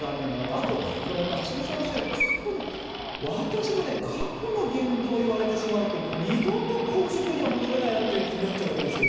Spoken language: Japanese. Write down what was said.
あと、やっぱり橋下さんおっしゃるように、過去の、私も過去の言動をいわれてしまうと、もう二度と公職には戻れないなという気になっちゃうわけですよ。